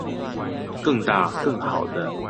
更大更好的